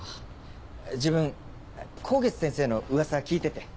自分香月先生の噂聞いてて。